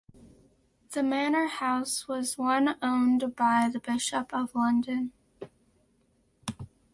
The manor house was one owned by the Bishop of London.